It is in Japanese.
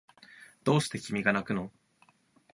どうして君がなくの